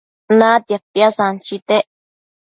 Natia piasanchitec